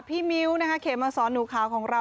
พี่มิ้วเขมอสอนหนูขาวของเรา